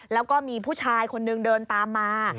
แล้วก็มีผู้ชายคนนึงเดินตามมา